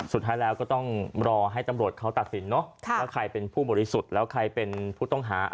สุดท้ายแล้วก็ต้องรอให้ตำรวจเขาตัดสินเนาะว่าใครเป็นผู้บริสุทธิ์แล้วใครเป็นผู้ต้องหา